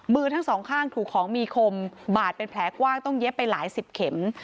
มือทั้งสองข้างถูกของมีคมบาดเป็นแผลกว้างต้องเย็บไปหลายสิบเข็ม